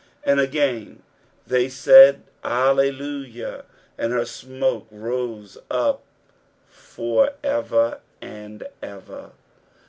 And ugain they said. Alleluia, and her smoke rose up for ever and ever."